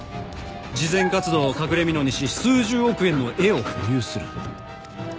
慈善活動を隠れみのにし数十億円の絵を保有する。